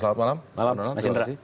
selamat malam mas indra